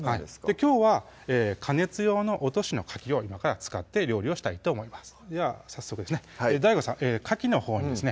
きょうは加熱用の落としのかきを今から使って料理をしたいと思いますでは早速ですねＤＡＩＧＯさんかきのほうにですね